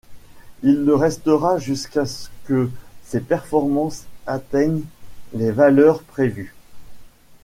Il le restera jusqu'à ce que ses performances atteignent les valeurs prévues.